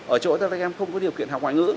ở chỗ là các em không có điều kiện học ngoại ngữ